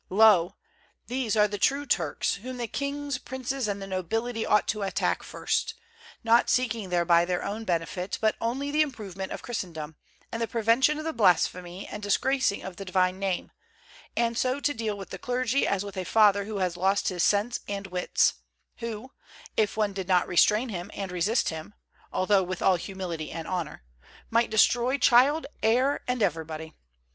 Lo! these are the true Turks, whom the kings, princes and the nobility ought to attack first: not seeking thereby their own benefit, but only the improvement of Christendom, and the prevention of the blasphemy and disgracing of the divine Name; and so to deal with the clergy as with a father who has lost his sense and wits; who, if one did not restrain him and resist him (although with all humility and honor), might destroy child, heir and everybody.